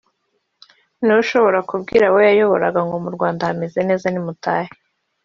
niwe ushobora kubwira abo yayoboraga ngo mu Rwanda hameze neza nimutahe